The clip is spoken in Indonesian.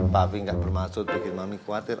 tapi nggak bermaksud bikin mami khawatir